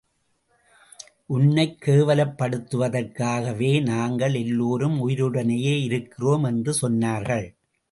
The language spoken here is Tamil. உன்னைக் கேவலப்படுத்துவதற்காகவே நாங்கள் எல்லோரும் உயிருடனேயே இருக்கிறோம் என்று சொன்னார்கள்.